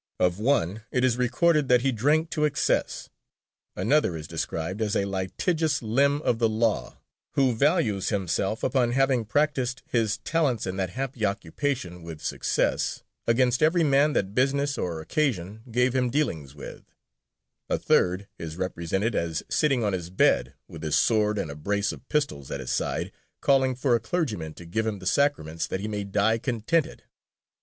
Of one it is recorded that he drank to excess; another is described as "a litigious limb of the law, who values himself upon having practised his talents in that happy occupation with success, against every man that business or occasion gave him dealings with;" a third is represented as "sitting on his bed, with his sword and a brace of pistols at his side, calling for a clergyman to give him the Sacraments that he may die contented."